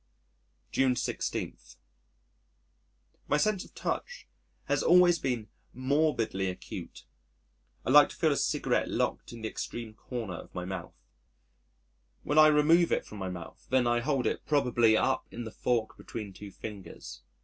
June 16. My Sense of Touch My sense of touch has always been morbidly acute. I like to feel a cigarette locked in the extreme corner of my mouth. When I remove it from my mouth then I hold it probably up in the fork between two fingers.